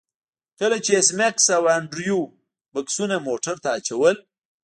کله چې ایس میکس او انډریو بکسونه موټر ته اچول